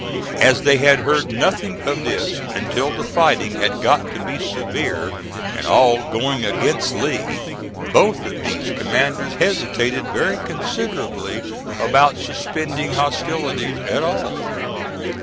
As they had heard nothing of this until the fighting had got to be severe and all going against Lee, both of these commanders hesitated very considerably about suspending hostilities at all.